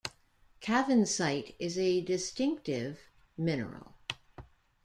Cavansite is a distinctive mineral.